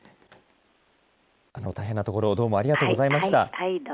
大変なところどうもありがとうございました。